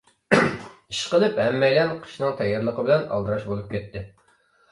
ئىشقىلىپ، ھەممەيلەن قىشنىڭ تەييارلىقى بىلەن ئالدىراش بولۇپ كەتتى.